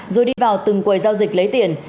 rồi đi vào từng quầy giao dịch lấy tiền